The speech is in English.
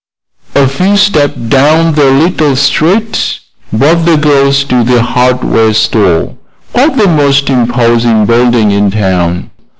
A few steps down the little street brought the girls to the hardware store, quite the most imposing building in town.